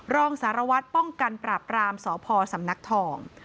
รองสารวัตรป้องกันปราบรามสพสำนักทอง